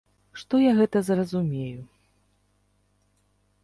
Што я гэта зразумею.